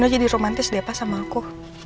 nino jadi romantis deh pas sama ku